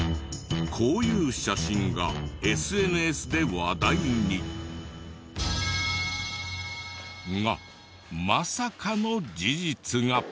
こういう写真がＳＮＳで話題に。がまさかの事実が。